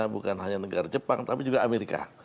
bukan hanya negara jepang tapi juga amerika